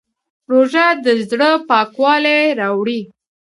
روژه د زړه پاکوالی راوړي.